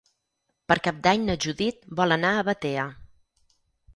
Per Cap d'Any na Judit vol anar a Batea.